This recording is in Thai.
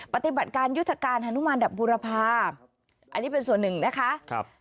ปฏิบัติการยุทธการฮานุมานดับบุรพาอันนี้เป็นส่วนหนึ่งนะคะครับ